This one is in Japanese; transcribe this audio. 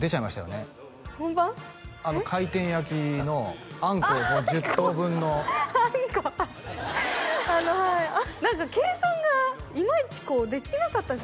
回転焼きのあんこを１０等分のあんこはい何か計算がいまいちできなかったんですよ